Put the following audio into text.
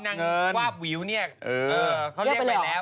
ทั้งอีนั่งวาบวิวเนี่ยเขาเรียกไปแล้ว